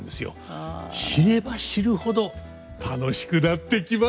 知れば知るほど楽しくなってきますよ！